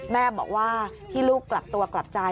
แม่บอกว่าที่ลูกกลับตัวกลับใจ